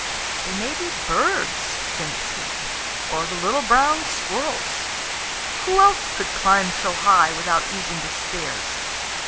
"They may be birds," thinks he, "or the little brown squirrels. Who else could climb so high without using the stairs?